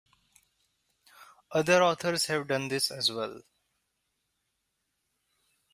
Other authors have done this as well.